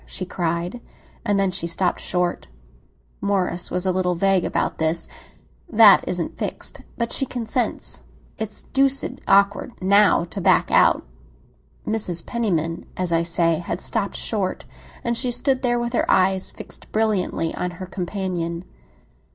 she cried. And then she stopped short. Morris was a little vague about this. "That isn't fixed; but she consents. It's deuced awkward, now, to back out." Mrs. Penniman, as I say, had stopped short; and she stood there with her eyes fixed brilliantly on her companion.